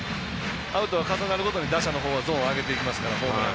アウトが重なるごとに打者のほうはゾーン上げてきますからホームラン。